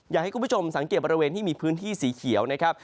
อยากให้คุณผู้ชมสังเกตบริเวณที่มีพื้นที่สีเขียวนะครับ